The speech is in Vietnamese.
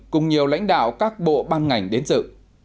cùng nhiều lãnh đạo các bộ ban ngành đến dự